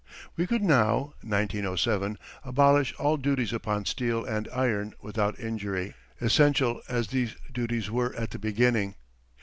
We could now (1907) abolish all duties upon steel and iron without injury, essential as these duties were at the beginning.